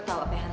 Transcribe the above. ini aku adriana